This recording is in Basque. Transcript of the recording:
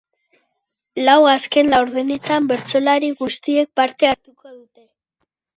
Lau azken-laurdenetan bertsolari guztiek parte hartuko dute.